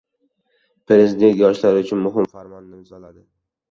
Prezident yoshlar uchun muhim farmonni imzoladi